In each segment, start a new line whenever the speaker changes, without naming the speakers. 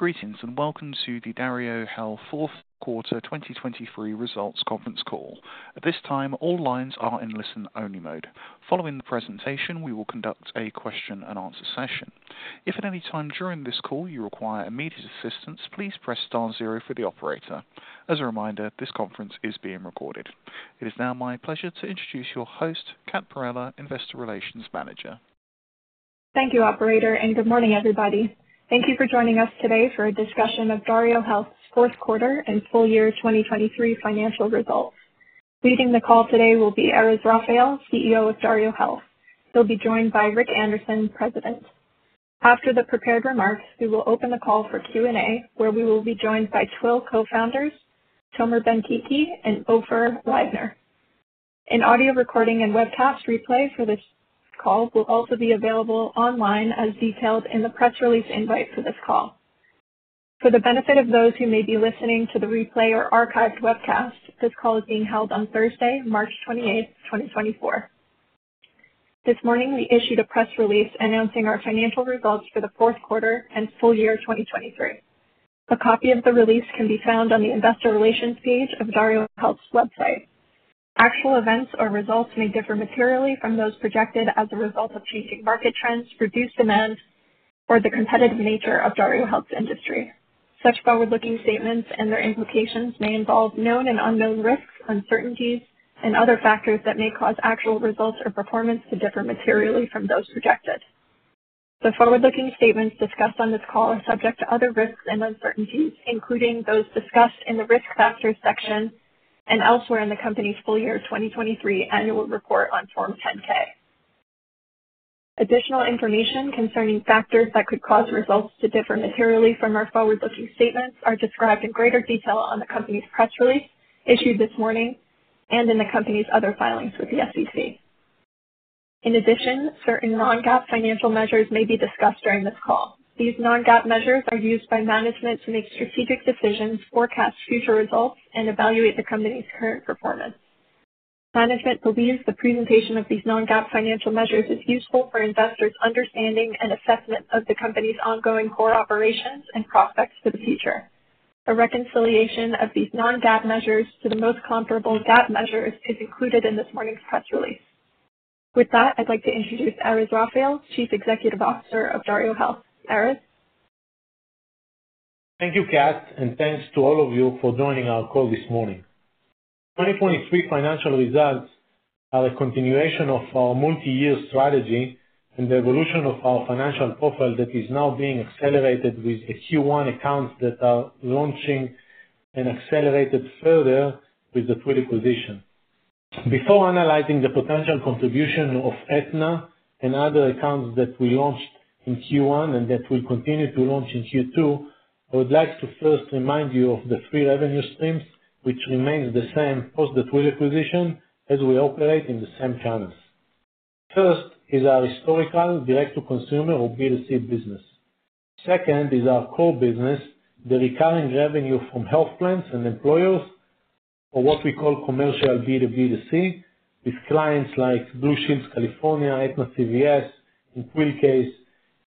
Greetings and welcome to the DarioHealth fourth quarter 2023 results conference call. At this time, all lines are in listen-only mode. Following the presentation, we will conduct a question-and-answer session. If at any time during this call you require immediate assistance, please press star 0 for the operator. As a reminder, this conference is being recorded. It is now my pleasure to introduce your host, Kat Parrella, Investor Relations Manager.
Thank you, operator, and good morning, everybody. Thank you for joining us today for a discussion of DarioHealth's fourth quarter and full year 2023 financial results. Leading the call today will be Erez Raphael, CEO of DarioHealth. He'll be joined by Rick Anderson, President. After the prepared remarks, we will open the call for Q&A, where we will be joined by Twill co-founders, Tomer Ben-Kiki, and Ofer Leidner. An audio recording and webcast replay for this call will also be available online as detailed in the press release invite for this call. For the benefit of those who may be listening to the replay or archived webcast, this call is being held on Thursday, March 28th, 2024. This morning, we issued a press release announcing our financial results for the fourth quarter and full year 2023. A copy of the release can be found on the Investor Relations page of DarioHealth's website. Actual events or results may differ materially from those projected as a result of changing market trends, reduced demand, or the competitive nature of DarioHealth's industry. Such forward-looking statements and their implications may involve known and unknown risks, uncertainties, and other factors that may cause actual results or performance to differ materially from those projected. The forward-looking statements discussed on this call are subject to other risks and uncertainties, including those discussed in the risk factors section and elsewhere in the company's full year 2023 annual report on Form 10-K. Additional information concerning factors that could cause results to differ materially from our forward-looking statements are described in greater detail on the company's press release issued this morning and in the company's other filings with the SEC. In addition, certain non-GAAP financial measures may be discussed during this call. These non-GAAP measures are used by management to make strategic decisions, forecast future results, and evaluate the company's current performance. Management believes the presentation of these non-GAAP financial measures is useful for investors' understanding and assessment of the company's ongoing core operations and prospects for the future. A reconciliation of these non-GAAP measures to the most comparable GAAP measures is included in this morning's press release. With that, I'd like to introduce Erez Raphael, Chief Executive Officer of DarioHealth. Erez?
Thank you, Kat, and thanks to all of you for joining our call this morning. 2023 financial results are a continuation of our multi-year strategy and the evolution of our financial profile that is now being accelerated with the Q1 accounts that are launching and accelerated further with the Twill acquisition. Before analyzing the potential contribution of Aetna and other accounts that we launched in Q1 and that we'll continue to launch in Q2, I would like to first remind you of the three revenue streams, which remain the same post-Twill acquisition as we operate in the same channels. First is our historical direct-to-consumer or B2C business. Second is our core business, the recurring revenue from health plans and employers, or what we call commercial B2B2C, with clients like Blue Shield of California, Aetna CVS, in Twill's case,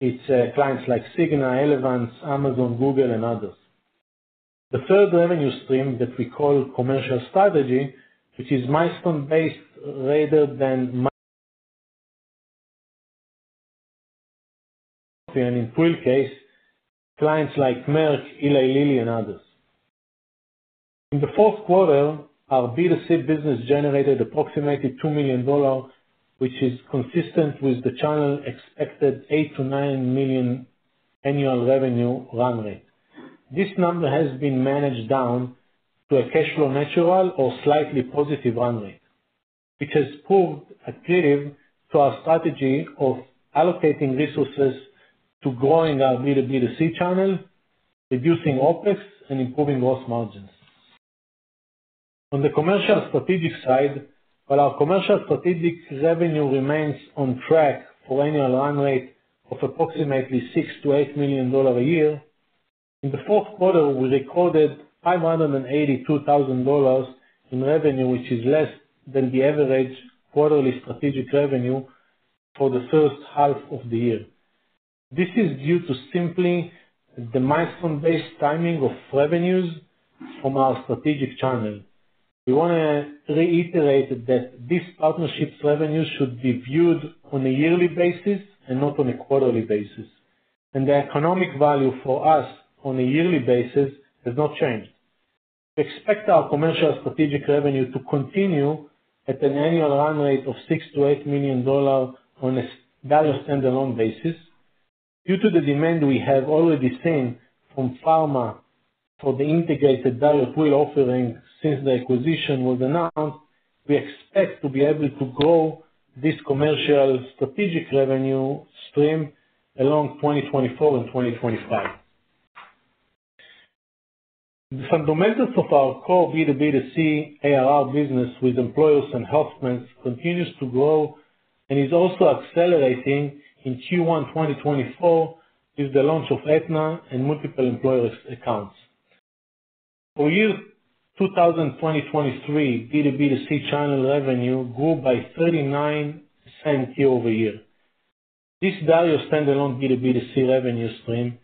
it's clients like Cigna, Elevance, Amazon, Google, and others. The third revenue stream that we call commercial strategy, which is milestone-based rather than in Twill case, clients like Merck, Eli Lilly, and others. In the fourth quarter, our B2C business generated approximately $2 million, which is consistent with the channel's expected 8-9 million annual revenue run rate. This number has been managed down to a cash flow neutral or slightly positive run rate, which has proved attractive to our strategy of allocating resources to growing our B2B2C channel, reducing OPEX, and improving gross margins. On the commercial strategic side, while our commercial strategic revenue remains on track for annual run rate of approximately $6-$8 million a year, in the fourth quarter, we recorded $582,000 in revenue, which is less than the average quarterly strategic revenue for the first half of the year. This is due to simply the milestone-based timing of revenues from our strategic channel. We want to reiterate that these partnerships' revenues should be viewed on a yearly basis and not on a quarterly basis, and the economic value for us on a yearly basis has not changed. We expect our commercial strategic revenue to continue at an annual run rate of $6-$8 million on a value standalone basis. Due to the demand we have already seen from pharma for the integrated value of Twill's offering since the acquisition was announced, we expect to be able to grow this commercial strategic revenue stream along 2024 and 2025. The fundamentals of our core B2B2C ARR business with employers and health plans continues to grow and is also accelerating in Q1 2024 with the launch of Aetna and multiple employer accounts. For year 2020-2023, B2B2C channel revenue grew by 39% year over year. This valuable standalone B2B2C revenue stream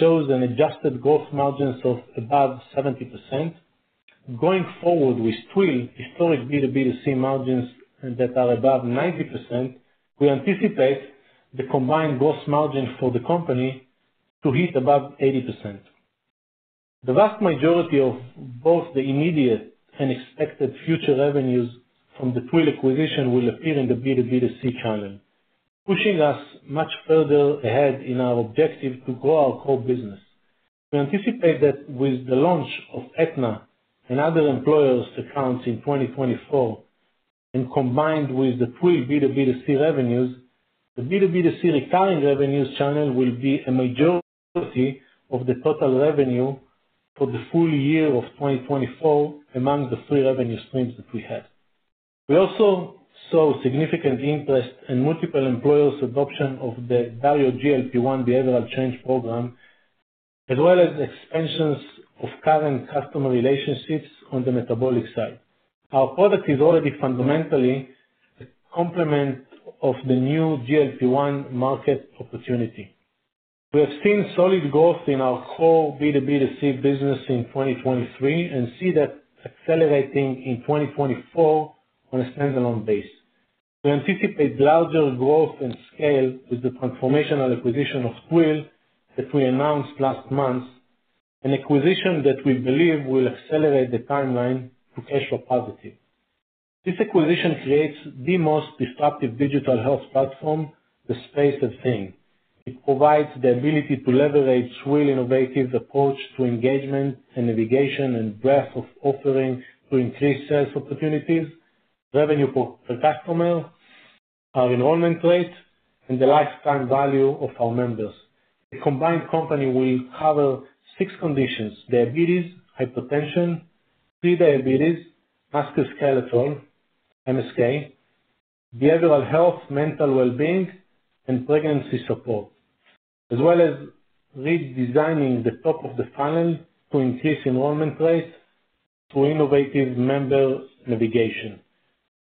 shows adjusted gross margins of above 70%. Going forward with Twill's historic B2B2C margins that are above 90%, we anticipate the combined gross margin for the company to hit above 80%. The vast majority of both the immediate and expected future revenues from the Twill acquisition will appear in the B2B2C channel, pushing us much further ahead in our objective to grow our core business. We anticipate that with the launch of Aetna and other employers' accounts in 2024 and combined with the Twill B2B2C revenues, the B2B2C recurring revenues channel will be a majority of the total revenue for the full year of 2024 among the three revenue streams that we had. We also saw significant interest in multiple employers' adoption of the Dario GLP-1 behavioral change program, as well as expansions of current customer relationships on the metabolic side. Our product is already fundamentally a complement of the new GLP-1 market opportunity. We have seen solid growth in our core B2B2C business in 2023 and see that accelerating in 2024 on a standalone basis. We anticipate larger growth and scale with the transformational acquisition of Twill that we announced last month, an acquisition that we believe will accelerate the timeline to cash flow positive. This acquisition creates the most disruptive digital health platform, the space, I think. It provides the ability to leverage Twill's innovative approach to engagement and navigation and breadth of offering to increase sales opportunities, revenue per customer, our enrollment rate, and the lifetime value of our members. The combined company will cover six conditions: diabetes, hypertension, prediabetes, musculoskeletal, MSK, behavioral health, mental well-being, and pregnancy support, as well as redesigning the top of the funnel to increase enrollment rates through innovative member navigation.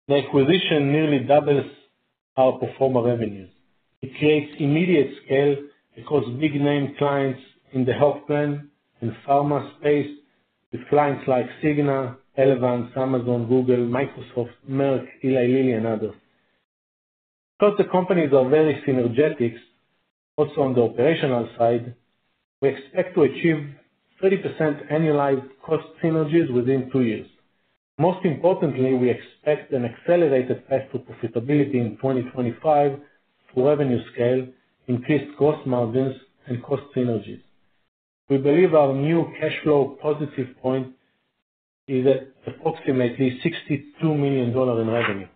The acquisition nearly doubles our platform revenues. It creates immediate scale across big-name clients in the health plan and pharma space with clients like Cigna, Elevance, Amazon, Google, Microsoft, Merck, Eli Lilly, and others. Because the companies are very synergistic, also on the operational side, we expect to achieve 30% annualized cost synergies within two years. Most importantly, we expect an accelerated path to profitability in 2025 through revenue scale, increased gross margins, and cost synergies. We believe our new cash flow positive point is at approximately $62 million in revenue.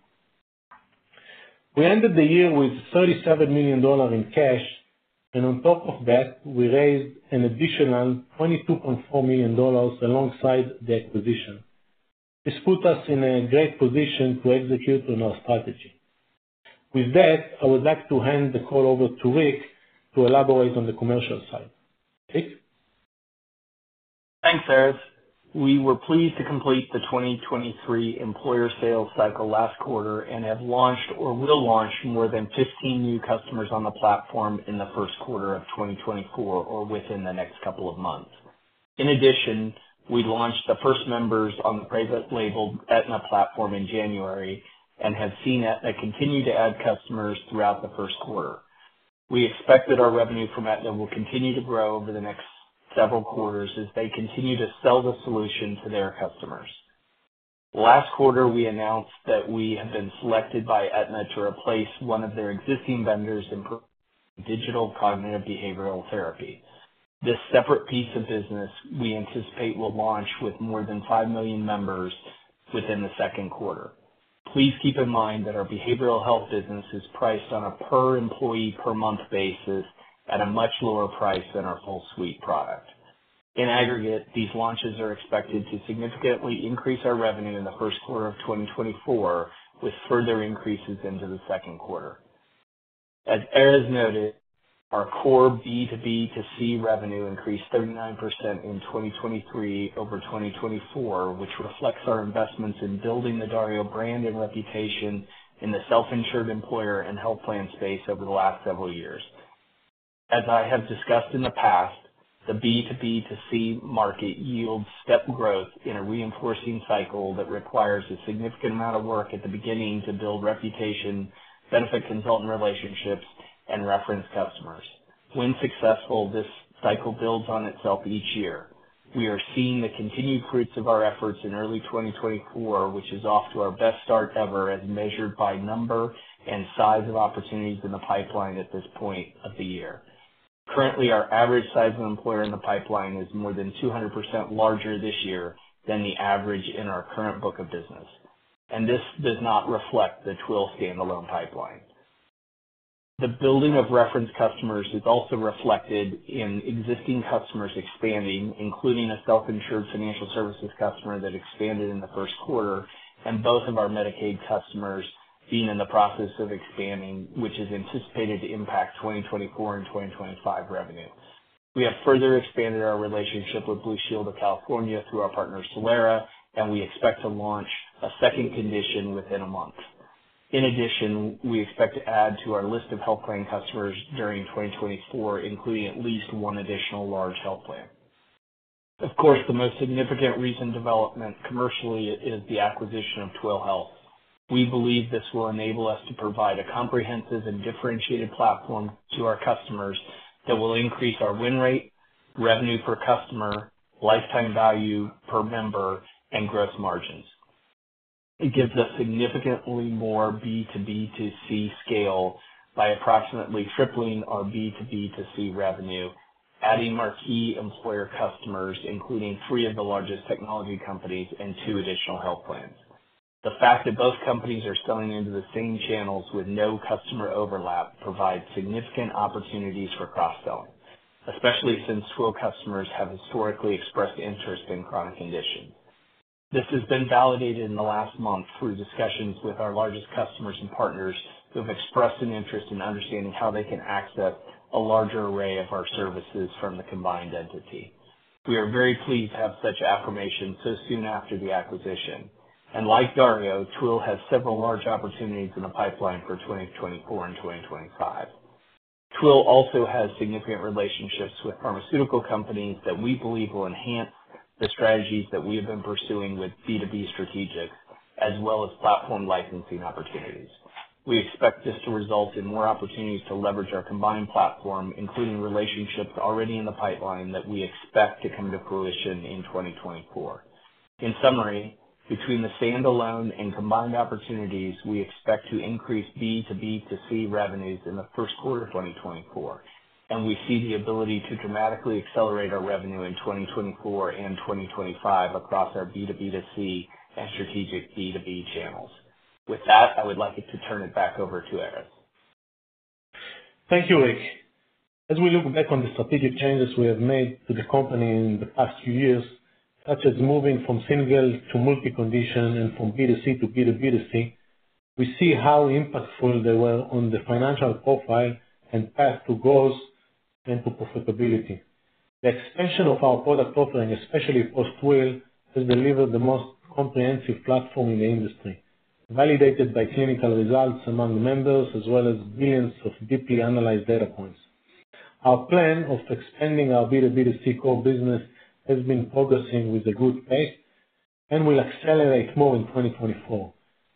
We ended the year with $37 million in cash, and on top of that, we raised an additional $22.4 million alongside the acquisition. This put us in a great position to execute on our strategy. With that, I would like to hand the call over to Rick to elaborate on the commercial side. Rick?
Thanks, Erez. We were pleased to complete the 2023 employer sales cycle last quarter and have launched or will launch more than 15 new customers on the platform in the first quarter of 2024 or within the next couple of months. In addition, we launched the first members on the private-labeled Aetna platform in January and have seen Aetna continue to add customers throughout the first quarter. We expect that our revenue from Aetna will continue to grow over the next several quarters as they continue to sell the solution to their customers. Last quarter, we announced that we have been selected by Aetna to replace one of their existing vendors in digital cognitive behavioral therapy. This separate piece of business we anticipate will launch with more than 5 million members within the second quarter. Please keep in mind that our behavioral health business is priced on a per-employee-per-month basis at a much lower price than our full suite product. In aggregate, these launches are expected to significantly increase our revenue in the first quarter of 2024 with further increases into the second quarter. As Erez noted, our core B2B2C revenue increased 39% in 2023 over 2024, which reflects our investments in building the Dario brand and reputation in the self-insured employer and health plan space over the last several years. As I have discussed in the past, the B2B2C market yields step growth in a reinforcing cycle that requires a significant amount of work at the beginning to build reputation, benefit consultant relationships, and reference customers. When successful, this cycle builds on itself each year. We are seeing the continued fruits of our efforts in early 2024, which is off to our best start ever as measured by number and size of opportunities in the pipeline at this point of the year. Currently, our average size of employer in the pipeline is more than 200% larger this year than the average in our current book of business, and this does not reflect the Twill standalone pipeline. The building of reference customers is also reflected in existing customers expanding, including a self-insured financial services customer that expanded in the first quarter and both of our Medicaid customers being in the process of expanding, which is anticipated to impact 2024 and 2025 revenue. We have further expanded our relationship with Blue Shield of California through our partner Solera, and we expect to launch a second condition within a month. In addition, we expect to add to our list of health plan customers during 2024, including at least one additional large health plan. Of course, the most significant recent development commercially is the acquisition of Twill. We believe this will enable us to provide a comprehensive and differentiated platform to our customers that will increase our win rate, revenue per customer, lifetime value per member, and gross margins. It gives us significantly more B2B2C scale by approximately tripling our B2B2C revenue, adding marquee employer customers, including three of the largest technology companies and two additional health plans. The fact that both companies are selling into the same channels with no customer overlap provides significant opportunities for cross-selling, especially since Twill customers have historically expressed interest in chronic conditions. This has been validated in the last month through discussions with our largest customers and partners who have expressed an interest in understanding how they can access a larger array of our services from the combined entity. We are very pleased to have such affirmation so soon after the acquisition. And like Dario, Twill has several large opportunities in the pipeline for 2024 and 2025. Twill also has significant relationships with pharmaceutical companies that we believe will enhance the strategies that we have been pursuing with B2B strategics, as well as platform licensing opportunities. We expect this to result in more opportunities to leverage our combined platform, including relationships already in the pipeline that we expect to come to fruition in 2024. In summary, between the standalone and combined opportunities, we expect to increase B2B2C revenues in the first quarter of 2024, and we see the ability to dramatically accelerate our revenue in 2024 and 2025 across our B2B2C and strategic B2B channels. With that, I would like to turn it back over to Erez.
Thank you, Rick. As we look back on the strategic changes we have made to the company in the past few years, such as moving from single to multi-condition and from B2C to B2B2C, we see how impactful they were on the financial profile and path to growth and to profitability. The expansion of our product offering, especially post-Twill, has delivered the most comprehensive platform in the industry, validated by clinical results among members as well as billions of deeply analyzed data points. Our plan of expanding our B2B2C core business has been progressing with a good pace and will accelerate more in 2024.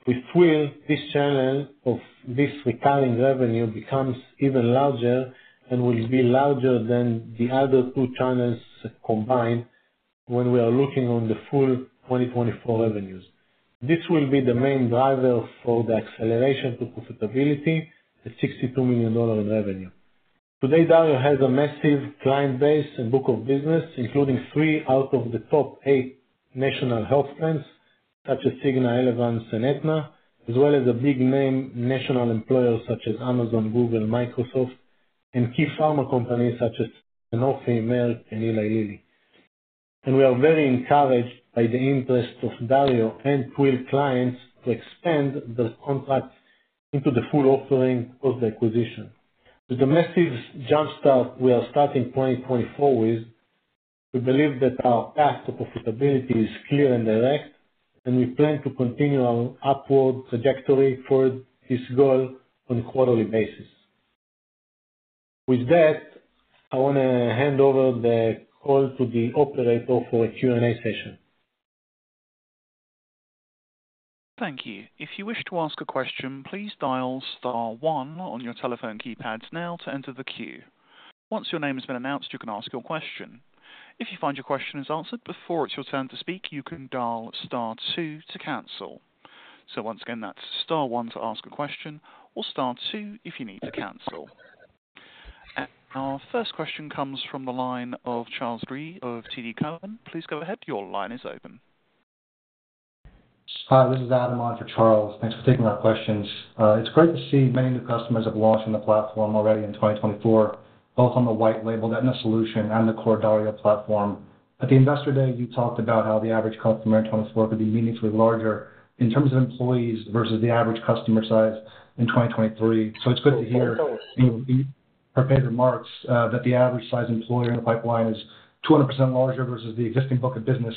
With Twill, this channel of this recurring revenue becomes even larger and will be larger than the other two channels combined when we are looking on the full 2024 revenues. This will be the main driver for the acceleration to profitability at $62 million in revenue. Today, Dario has a massive client base and book of business, including three out of the top eight national health plans, such as Cigna, Elevance, and Aetna, as well as big-name national employers such as Amazon, Google, Microsoft, and key pharma companies such as Sanofi, Merck, and Eli Lilly. And we are very encouraged by the interest of Dario and Twill clients to expand their contracts into the full offering post the acquisition. With the massive jumpstart we are starting 2024 with, we believe that our path to profitability is clear and direct, and we plan to continue our upward trajectory toward this goal on a quarterly basis. With that, I want to hand over the call to the operator for a Q&A session.
Thank you. If you wish to ask a question, please dial star one on your telephone keypads now to enter the queue. Once your name has been announced, you can ask your question. If you find your question is answered before it's your turn to speak, you can dial star two to cancel. So once again, that's star one to ask a question or star two if you need to cancel. And our first question comes from the line of Charles Rhyee of TD Cowen. Please go ahead. Your line is open.
Hi. This is Adam on for Charles. Thanks for taking our questions. It's great to see many new customers have launched on the platform already in 2024, both on the white-labeled Aetna solution and the core Dario platform. At the investor day, you talked about how the average customer in 2024 could be meaningfully larger in terms of employees versus the average customer size in 2023. So it's good to hear in your prepared remarks that the average size employer in the pipeline is 200% larger versus the existing book of business.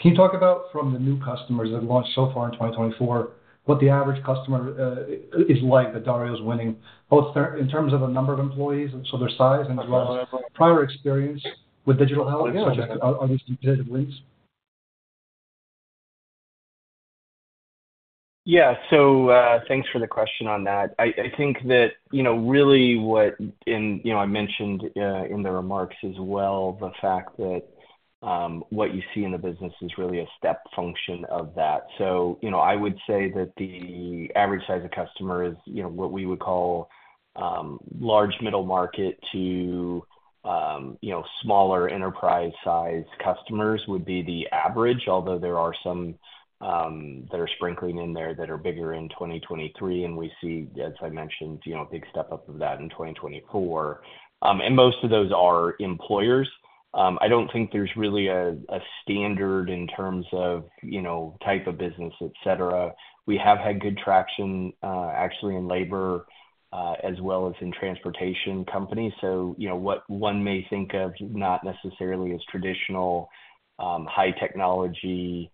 Can you talk about from the new customers that have launched so far in 2024 what the average customer is like that Dario's winning, both in terms of the number of employees, so their size, and as well as prior experience with digital health, such as are these competitive wins?
Yeah. So thanks for the question on that. I think that really what and I mentioned in the remarks as well the fact that what you see in the business is really a step function of that. So I would say that the average size of customer is what we would call large middle market to smaller enterprise-size customers would be the average, although there are some that are sprinkling in there that are bigger in 2023, and we see, as I mentioned, a big step up of that in 2024. And most of those are employers. I don't think there's really a standard in terms of type of business, etc. We have had good traction, actually, in labor as well as in transportation companies. So what one may think of not necessarily as traditional high-technology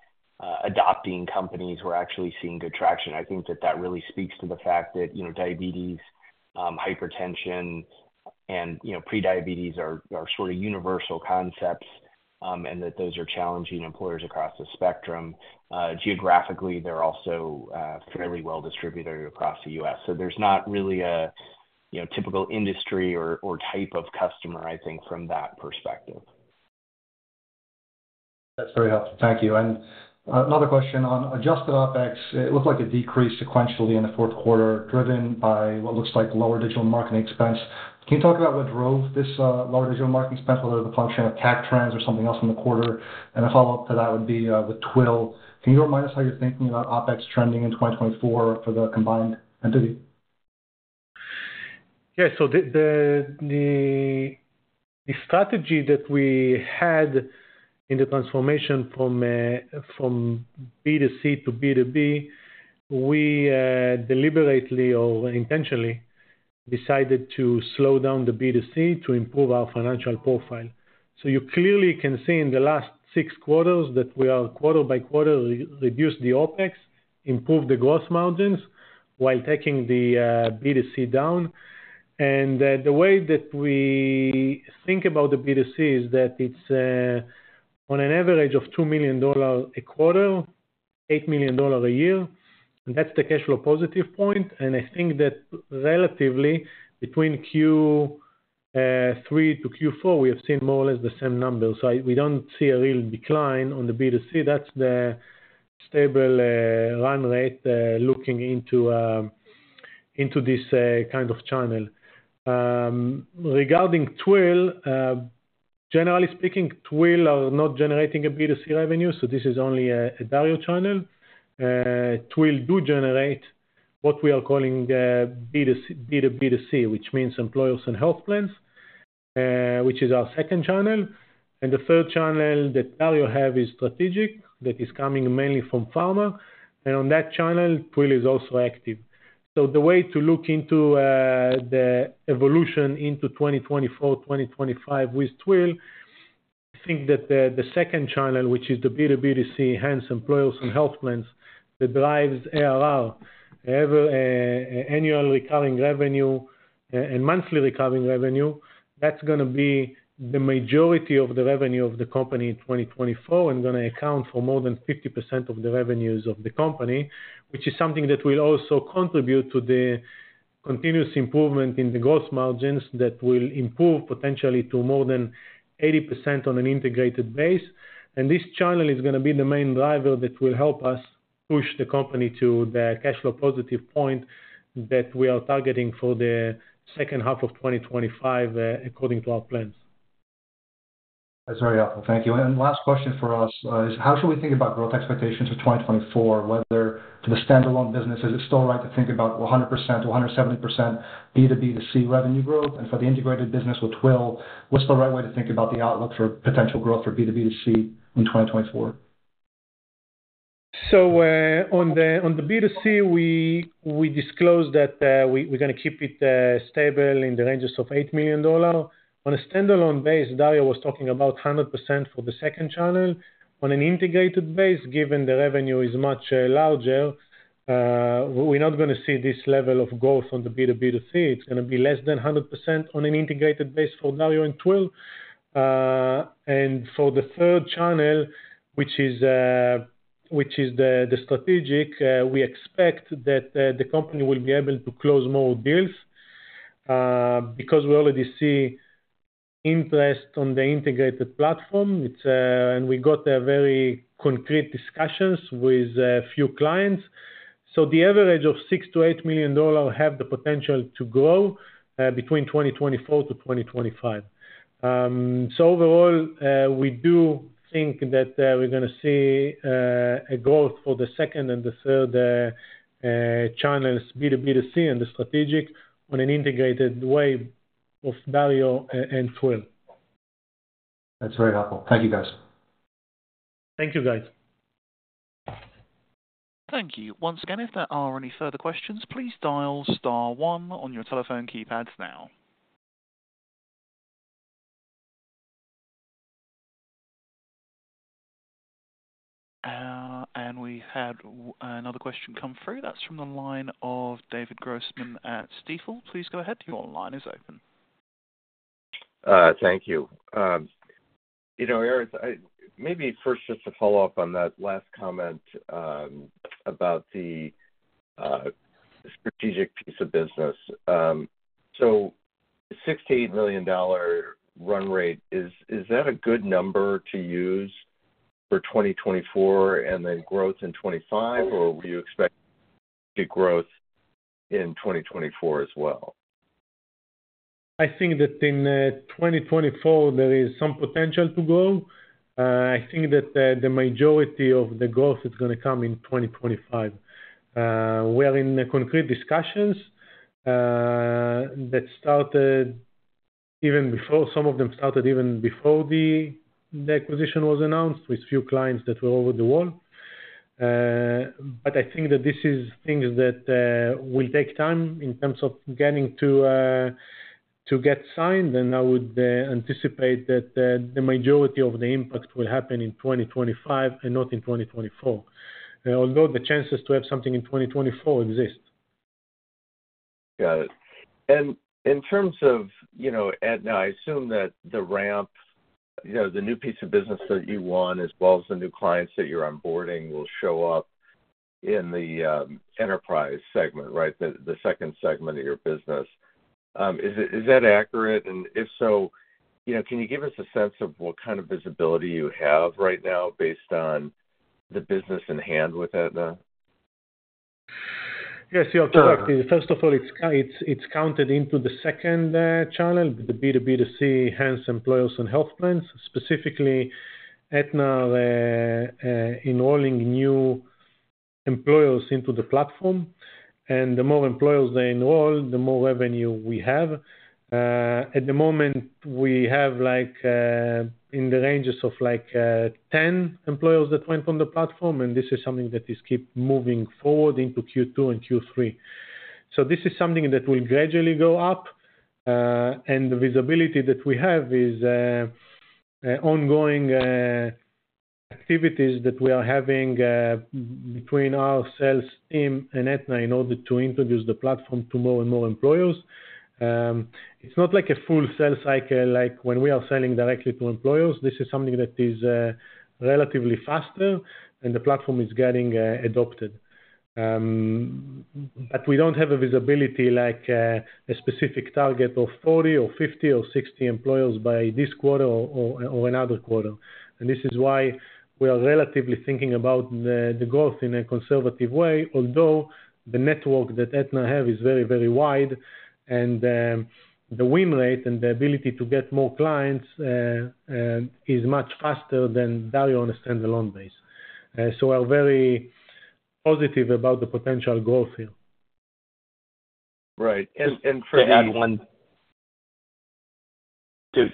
adopting companies, we're actually seeing good traction. I think that that really speaks to the fact that diabetes, hypertension, and prediabetes are sort of universal concepts and that those are challenging employers across the spectrum. Geographically, they're also fairly well distributed across the U.S. So there's not really a typical industry or type of customer, I think, from that perspective.
That's very helpful. Thank you. And another question on adjusted OPEX. It looks like it decreased sequentially in the fourth quarter driven by what looks like lower digital marketing expense. Can you talk about what drove this lower digital marketing expense, whether it was a function of tax trends or something else in the quarter? And a follow-up to that would be with Twill. Can you remind us how you're thinking about OPEX trending in 2024 for the combined entity?
Yeah. So the strategy that we had in the transformation from B2C to B2B, we deliberately or intentionally decided to slow down the B2C to improve our financial profile. So you clearly can see in the last six quarters that we are quarter by quarter reduced the OPEX, improved the gross margins while taking the B2C down. And the way that we think about the B2C is that it's on an average of $2 million a quarter, $8 million a year. And that's the cash flow positive point. And I think that relatively, between Q3 to Q4, we have seen more or less the same numbers. So we don't see a real decline on the B2C. That's the stable run rate looking into this kind of channel. Regarding Twill, generally speaking, Twill are not generating a B2C revenue, so this is only a Dario channel. Twill does generate what we are calling B2B2C, which means employers and health plans, which is our second channel. The third channel that Dario has is strategic that is coming mainly from pharma. On that channel, Twill is also active. So the way to look into the evolution into 2024, 2025 with Twill, I think that the second channel, which is the B2B2C, hence employers and health plans, that drives ARR, annual recurring revenue and monthly recurring revenue, that's going to be the majority of the revenue of the company in 2024 and going to account for more than 50% of the revenues of the company, which is something that will also contribute to the continuous improvement in the gross margins that will improve potentially to more than 80% on an integrated base. This channel is going to be the main driver that will help us push the company to the cash flow positive point that we are targeting for the second half of 2025 according to our plans.
That's very helpful. Thank you. Last question for us is, how should we think about growth expectations for 2024? Whether for the standalone business, is it still right to think about 100%-170% B2B2C revenue growth? For the integrated business with Twill, what's the right way to think about the outlook for potential growth for B2B2C in 2024?
On the B2C, we disclosed that we're going to keep it stable in the range of $8 million. On a standalone base, Dario was talking about 100% for the second channel. On an integrated base, given the revenue is much larger, we're not going to see this level of growth on the B2B2C. It's going to be less than 100% on an integrated base for Dario and Twill. And for the third channel, which is the strategic, we expect that the company will be able to close more deals because we already see interest on the integrated platform. And we got very concrete discussions with a few clients. So the average of $6-$8 million have the potential to grow between 2024 to 2025. Overall, we do think that we're going to see a growth for the second and the third channels, B2B2C and the strategic, on an integrated way of Dario and Twill.
That's very helpful. Thank you, guys.
Thank you, guys.
Thank you. Once again, if there are any further questions, please dial star one on your telephone keypads now. And we've had another question come through. That's from the line of David Grossman at Stifel. Please go ahead. Your line is open.
Thank you. Erez, maybe first just to follow up on that last comment about the strategic piece of business. So $6 million-$8 million run rate, is that a good number to use for 2024 and then growth in 2025, or will you expect good growth in 2024 as well?
I think that in 2024, there is some potential to grow. I think that the majority of the growth is going to come in 2025. We are in concrete discussions that started even before some of them started even before the acquisition was announced with few clients that were over the wall. But I think that this is things that will take time in terms of getting to get signed. And I would anticipate that the majority of the impact will happen in 2025 and not in 2024, although the chances to have something in 2024 exist.
Got it. And in terms of now, I assume that the ramp, the new piece of business that you won, as well as the new clients that you're onboarding will show up in the enterprise segment, right, the second segment of your business. Is that accurate? And if so, can you give us a sense of what kind of visibility you have right now based on the business in hand with Aetna?
Yes. Yeah. Correct. First of all, it's counted into the second channel, the B2B2C, hence employers and health plans. Specifically, Aetna are enrolling new employers into the platform. And the more employers they enroll, the more revenue we have. At the moment, we have in the ranges of 10 employers that went on the platform. And this is something that is keep moving forward into Q2 and Q3. So this is something that will gradually go up. And the visibility that we have is ongoing activities that we are having between our sales team and Aetna in order to introduce the platform to more and more employers. It's not like a full sales cycle like when we are selling directly to employers. This is something that is relatively faster, and the platform is getting adopted. But we don't have a visibility like a specific target of 40, 50, or 60 employers by this quarter or another quarter. And this is why we are relatively thinking about the growth in a conservative way, although the network that Aetna have is very, very wide. And the win rate and the ability to get more clients is much faster than Dario on a standalone base. So we are very positive about the potential growth here.
Right. And for the.
To add one,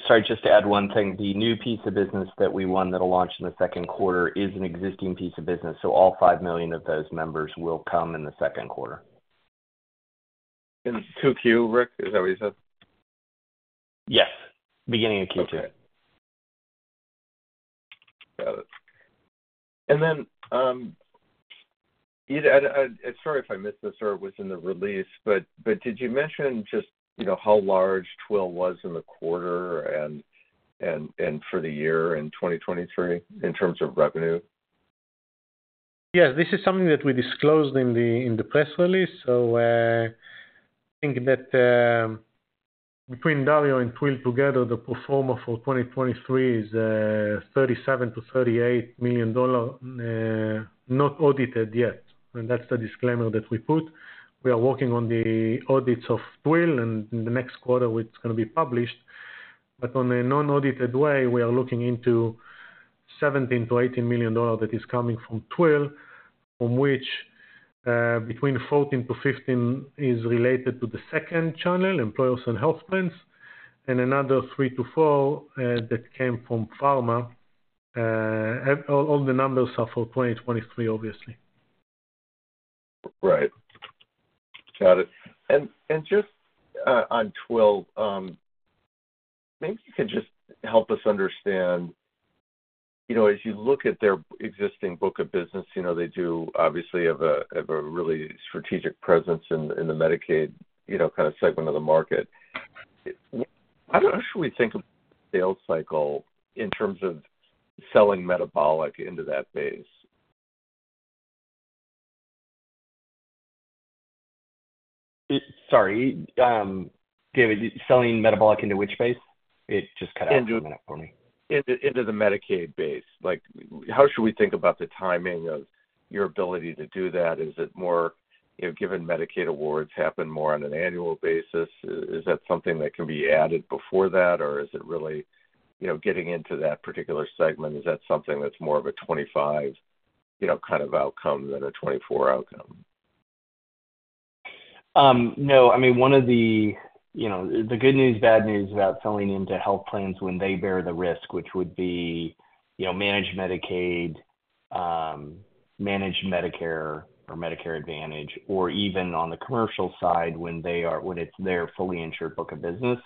sorry, just to add one thing. The new piece of business that we won that will launch in the second quarter is an existing piece of business. So all 5 million of those members will come in the second quarter.
In Q2, Rick? Is that what you said?
Yes. Beginning of Q2.
Okay. Got it. And then, sorry if I missed this or it was in the release, but did you mention just how large Twill was in the quarter and for the year in 2023 in terms of revenue?
Yeah. This is something that we disclosed in the press release. So I think that between Dario and Twill together, the performance for 2023 is $37-$38 million, not audited yet. And that's the disclaimer that we put. We are working on the audits of Twill, and in the next quarter, it's going to be published. But on a non-audited way, we are looking into $17-$18 million that is coming from Twill, from which between 14-15 is related to the second channel, employers and health plans, and another 3-4 that came from pharma. All the numbers are for 2023, obviously.
Right. Got it. And just on Twill, maybe you could just help us understand as you look at their existing book of business, they do obviously have a really strategic presence in the Medicaid kind of segment of the market. How should we think about the sales cycle in terms of selling metabolic into that base? Sorry, David, selling metabolic into which base? It just cut out for me. Into the Medicaid base. How should we think about the timing of your ability to do that? Is it more given Medicaid awards happen more on an annual basis? Is that something that can be added before that, or is it really getting into that particular segment? Is that something that's more of a 2025 kind of outcome than a 2024 outcome?
No. I mean, one of the good news, bad news about selling into health plans when they bear the risk, which would be managed Medicaid, managed Medicare, or Medicare Advantage, or even on the commercial side when it's their fully insured book of business,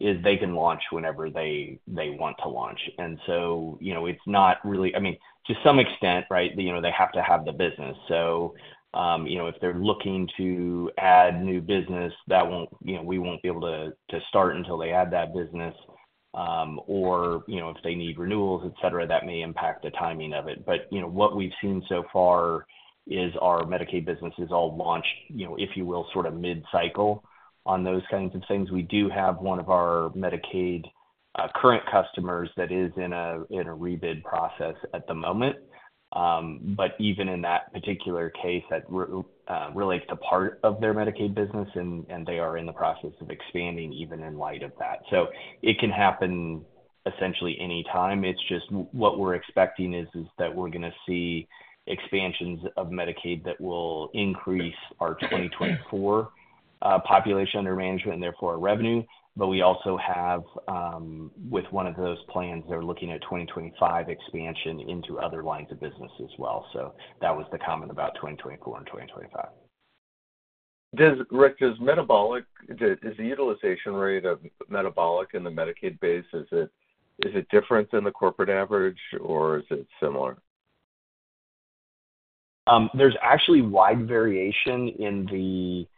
is they can launch whenever they want to launch. And so it's not really I mean, to some extent, right, they have to have the business. So if they're looking to add new business, we won't be able to start until they add that business. Or if they need renewals, etc., that may impact the timing of it. But what we've seen so far is our Medicaid business is all launched, if you will, sort of mid-cycle on those kinds of things. We do have one of our Medicaid current customers that is in a rebid process at the moment. But even in that particular case, that relates to part of their Medicaid business, and they are in the process of expanding even in light of that. So it can happen essentially anytime. It's just what we're expecting is that we're going to see expansions of Medicaid that will increase our 2024 population under management and therefore our revenue. But we also have, with one of those plans, they're looking at 2025 expansion into other lines of business as well. So that was the comment about 2024 and 2025.
Rick, is the utilization rate of metabolic in the Medicaid base, is it different than the corporate average, or is it similar?
There's actually wide variation in the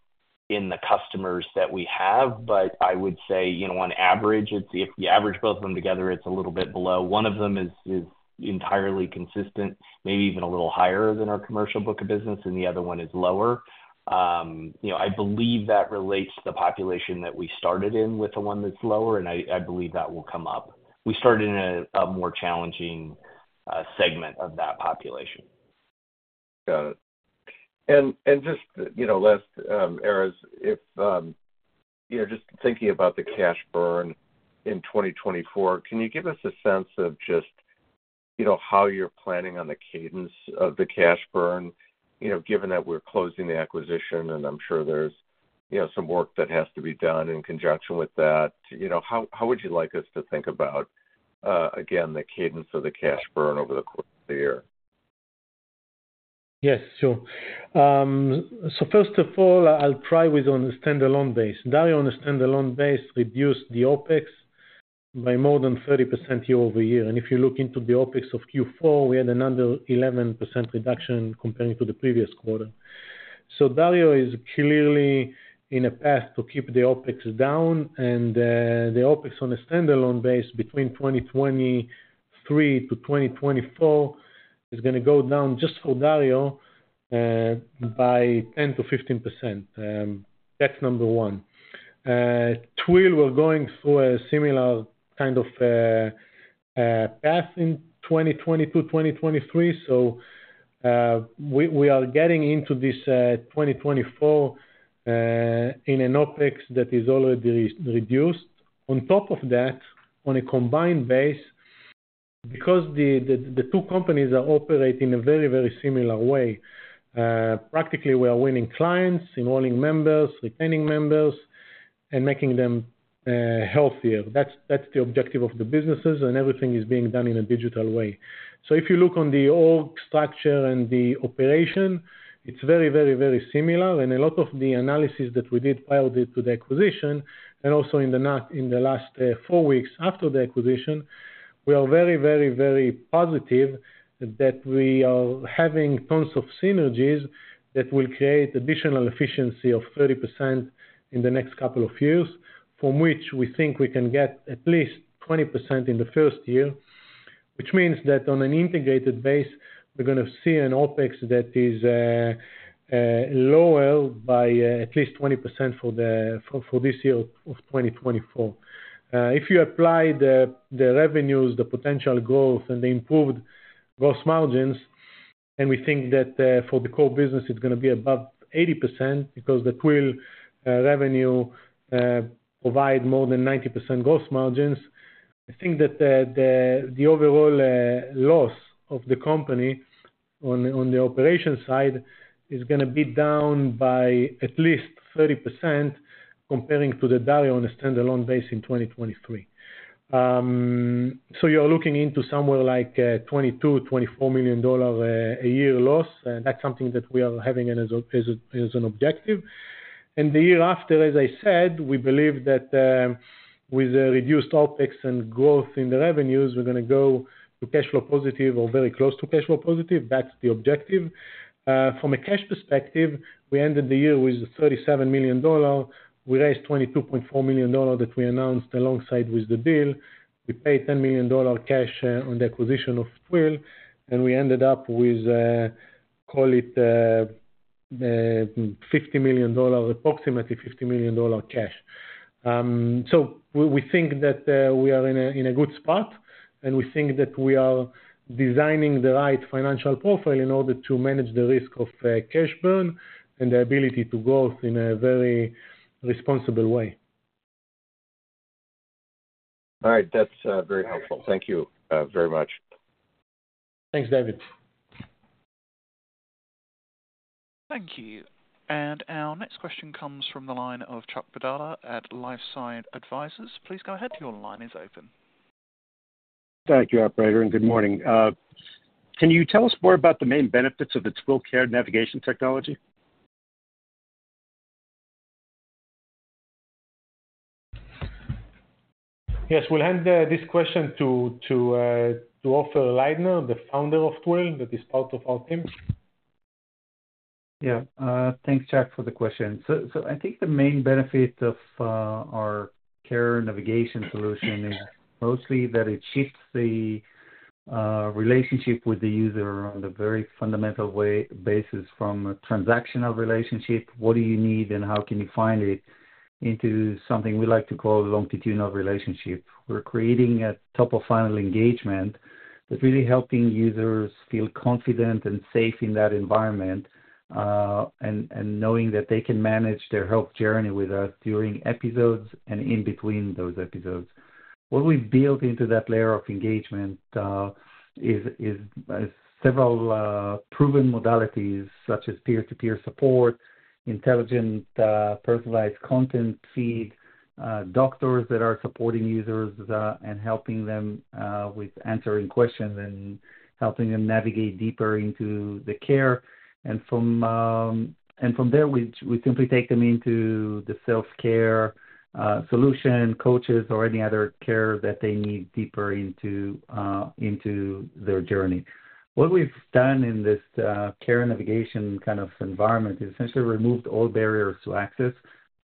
customers that we have. But I would say, on average, if you average both of them together, it's a little bit below. One of them is entirely consistent, maybe even a little higher than our commercial book of business, and the other one is lower. I believe that relates to the population that we started in with the one that's lower, and I believe that will come up. We started in a more challenging segment of that population.
Got it. And just last, Erez, just thinking about the cash burn in 2024, can you give us a sense of just how you're planning on the cadence of the cash burn, given that we're closing the acquisition, and I'm sure there's some work that has to be done in conjunction with that? How would you like us to think about, again, the cadence of the cash burn over the course of the year?
Yes. Sure. So first of all, I'll try with on a standalone base. Dario on a standalone base reduced the OPEX by more than 30% year-over-year. And if you look into the OPEX of Q4, we had another 11% reduction comparing to the previous quarter. So Dario is clearly in a path to keep the OPEX down. And the OPEX on a standalone base between 2023 to 2024 is going to go down, just for Dario, by 10%-15%. That's number one. Twill, we're going through a similar kind of path in 2022-2023. So we are getting into this 2024 in an OPEX that is already reduced. On top of that, on a combined base, because the two companies are operating in a very, very similar way, practically, we are winning clients, enrolling members, retaining members, and making them healthier. That's the objective of the businesses, and everything is being done in a digital way. So if you look on the org structure and the operation, it's very, very, very similar. A lot of the analysis that we did prior to the acquisition, and also in the last 4 weeks after the acquisition, we are very, very, very positive that we are having tons of synergies that will create additional efficiency of 30% in the next couple of years, from which we think we can get at least 20% in the first year, which means that on an integrated base, we're going to see an OPEX that is lower by at least 20% for this year of 2024. If you apply the revenues, the potential growth, and the improved gross margins, and we think that for the core business, it's going to be above 80% because the Twill revenue provides more than 90% gross margins, I think that the overall loss of the company on the operation side is going to be down by at least 30% comparing to the Dario on a standalone base in 2023. So you are looking into somewhere like $22 million-$24 million a year loss. That's something that we are having as an objective. And the year after, as I said, we believe that with reduced OPEX and growth in the revenues, we're going to go to cash flow positive or very close to cash flow positive. That's the objective. From a cash perspective, we ended the year with $37 million. We raised $22.4 million that we announced alongside with the deal. We paid $10 million cash on the acquisition of Twill. We ended up with, call it, $50 million, approximately $50 million cash. We think that we are in a good spot, and we think that we are designing the right financial profile in order to manage the risk of cash burn and the ability to grow in a very responsible way.
All right. That's very helpful. Thank you very much.
Thanks, David.
Thank you. Our next question comes from the line of Chuck Padala at LifeSci Advisors. Please go ahead. Your line is open.
Thank you, operator, and good morning. Can you tell us more about the main benefits of the Twill Care Navigation technology?
Yes. We'll hand this question to Ofer Leidner, the founder of Twill that is part of our team.
Yeah. Thanks, Chuck, for the question. So I think the main benefit of our Care Navigation solution is mostly that it shifts the relationship with the user on a very fundamental basis from a transactional relationship, what do you need, and how can you find it, into something we like to call a longitudinal relationship. We're creating a top-of-funnel engagement that's really helping users feel confident and safe in that environment and knowing that they can manage their health journey with us during episodes and in between those episodes. What we've built into that layer of engagement is several proven modalities such as peer-to-peer support, intelligent personalized content feed, doctors that are supporting users and helping them with answering questions and helping them navigate deeper into the care. From there, we simply take them into the self-care solution, coaches, or any other care that they need deeper into their journey. What we've done in this Care Navigation kind of environment is essentially removed all barriers to access.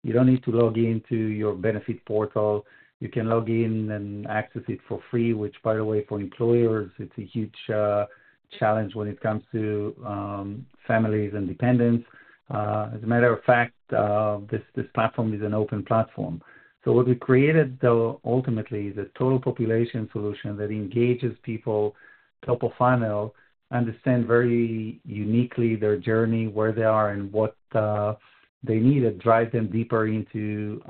You don't need to log into your benefit portal. You can log in and access it for free, which, by the way, for employers, it's a huge challenge when it comes to families and dependents. As a matter of fact, this platform is an open platform. What we created, though, ultimately is a total population solution that engages people, top-of-funnel, understand very uniquely their journey, where they are, and what they need that drives them deeper into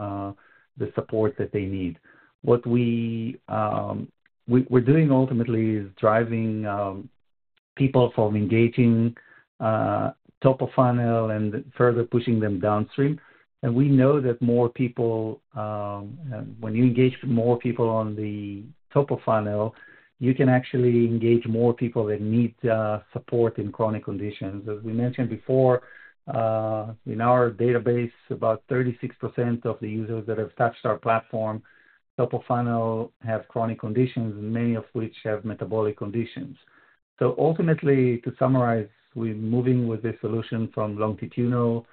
the support that they need. What we're doing ultimately is driving people from engaging top-of-funnel and further pushing them downstream. And we know that more people when you engage more people on the top-of-funnel, you can actually engage more people that need support in chronic conditions. As we mentioned before, in our database, about 36% of the users that have touched our platform top-of-funnel have chronic conditions, many of which have metabolic conditions. So ultimately, to summarize, we're moving with this solution from longitudinal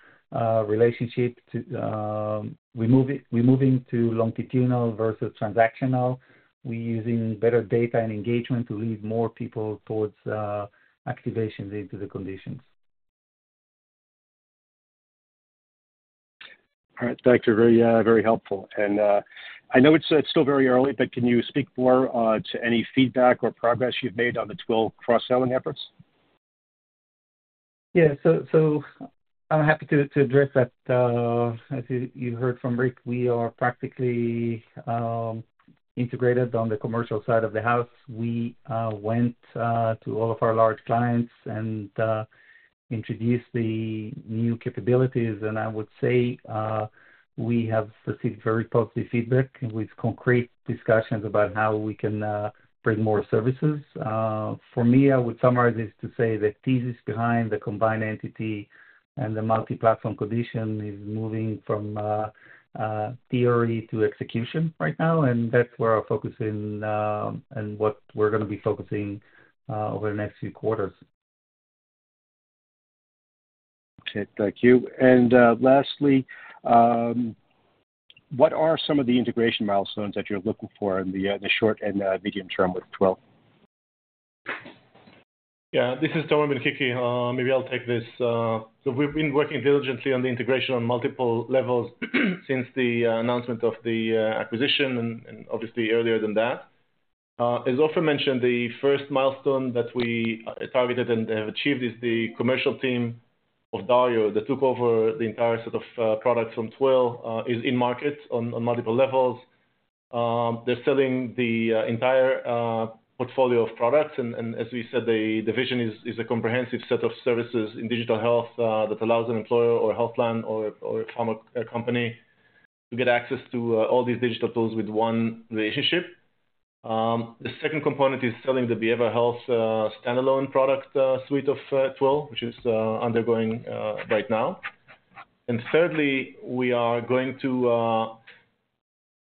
relationship to we're moving to longitudinal versus transactional. We're using better data and engagement to lead more people towards activations into the conditions.
All right. Thank you. Very helpful. I know it's still very early, but can you speak more to any feedback or progress you've made on the Twill cross-selling efforts?
Yeah. So I'm happy to address that. As you heard from Rick, we are practically integrated on the commercial side of the house. We went to all of our large clients and introduced the new capabilities. And I would say we have received very positive feedback with concrete discussions about how we can bring more services. For me, I would summarize this to say the thesis behind the combined entity and the multi-platform condition is moving from theory to execution right now. And that's where our focus is and what we're going to be focusing over the next few quarters.
Okay. Thank you. And lastly, what are some of the integration milestones that you're looking for in the short and medium term with Twill?
Yeah. This is Tomer Ben-Kiki. Maybe I'll take this. So we've been working diligently on the integration on multiple levels since the announcement of the acquisition and obviously earlier than that. As Ofer mentioned, the first milestone that we targeted and have achieved is the commercial team of Dario that took over the entire set of products from Twill is in market on multiple levels. They're selling the entire portfolio of products. And as we said, the vision is a comprehensive set of services in digital health that allows an employer or health plan or pharma company to get access to all these digital tools with one relationship. The second component is selling the behavioral health standalone product suite of Twill, which is undergoing right now. And thirdly, we are going to, I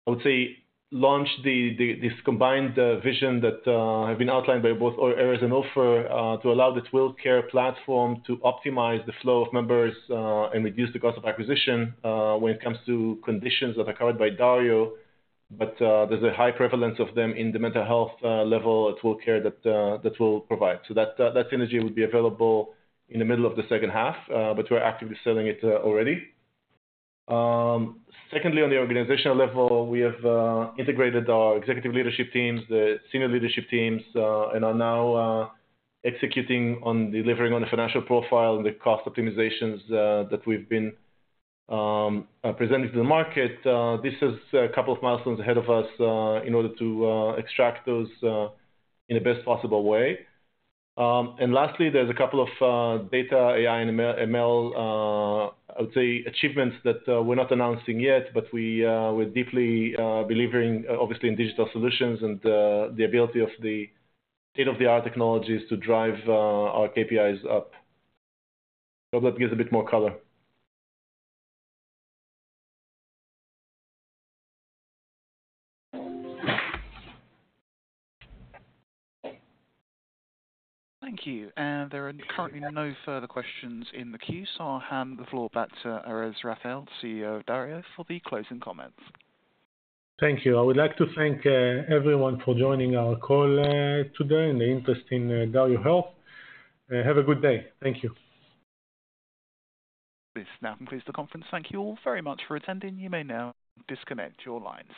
would say, launch this combined vision that has been outlined by both Erez and Ofer to allow the Twill Care platform to optimize the flow of members and reduce the cost of acquisition when it comes to conditions that are covered by Dario. But there's a high prevalence of them in the mental health level at Twill Care that we'll provide. So that synergy would be available in the middle of the second half, but we're actively selling it already. Secondly, on the organizational level, we have integrated our executive leadership teams, the senior leadership teams, and are now executing on delivering on the financial profile and the cost optimizations that we've been presenting to the market. This has a couple of milestones ahead of us in order to extract those in the best possible way. And lastly, there's a couple of data, AI, and ML, I would say, achievements that we're not announcing yet, but we're deeply believing, obviously, in digital solutions and the ability of the state-of-the-art technologies to drive our KPIs up. I hope that gives a bit more color.
Thank you. There are currently no further questions in the queue, so I'll hand the floor back to Erez Raphael, CEO of Dario, for the closing comments.
Thank you. I would like to thank everyone for joining our call today and the interest in DarioHealth. Have a good day. Thank you.
This now concludes the conference. Thank you all very much for attending. You may now disconnect your lines.